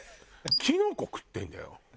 きのこ食ってるんだよ？